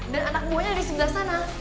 dan anak buahnya yang di sebelah sana